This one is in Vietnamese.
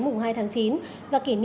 cùng antv gặp gỡ các bộ phim